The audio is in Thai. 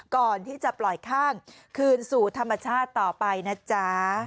ก่อนที่จะปล่อยข้างคืนสู่ธรรมชาติต่อไปนะจ๊ะ